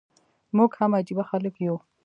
موږ هم عجبه خلک يو.